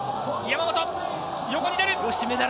山本、横に出る。